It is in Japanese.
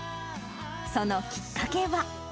そのきっかけは。